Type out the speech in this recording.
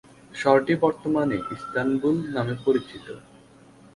শহরটি বর্তমানে ইস্তানবুল নামে পরিচিত।